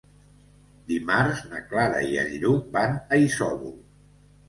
Dimarts na Clara i en Lluc van a Isòvol.